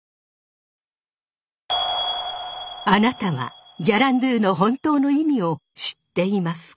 あなたはギャランドゥの本当の意味を知っていますか？